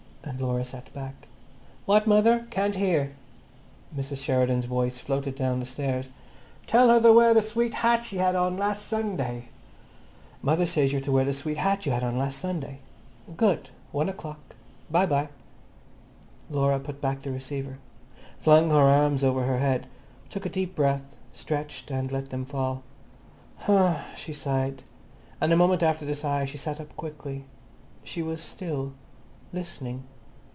And Laura sat back. "What, mother? Can't hear." Mrs. Sheridan's voice floated down the stairs. "Tell her to wear that sweet hat she had on last Sunday." "Mother says you're to wear that sweet hat you had on last Sunday. Good. One o'clock. Bye bye." Laura put back the receiver, flung her arms over her head, took a deep breath, stretched and let them fall. "Huh," she sighed, and the moment after the sigh she sat up quickly. She was still, listening.